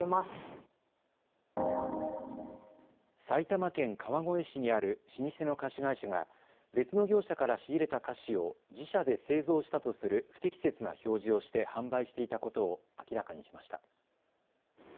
埼玉県川越市にある老舗の菓子会社が別の業者から仕入れた菓子を自社で製造したとする不適切な表示をして販売していたことを明らかにしました。